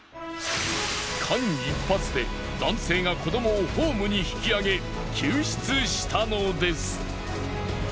間一髪で男性が子どもをホームに引き上げ救出したのです。